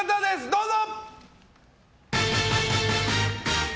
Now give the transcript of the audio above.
どうぞ！